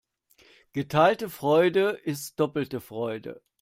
Geteilte Freude ist doppelte Freude.